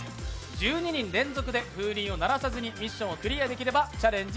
１２人連続で風鈴を鳴らさずにミッションクリアできればチャレンジ